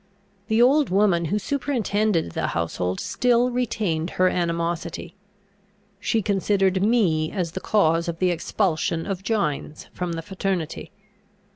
The old woman who superintended the household still retained her animosity. She considered me as the cause of the expulsion of Gines from the fraternity.